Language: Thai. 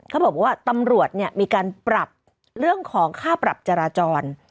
เขาบอกว่าตำรวจมีการปรับเรื่องของค่าปรับจราจร